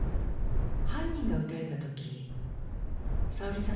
犯人が撃たれた時さおりさん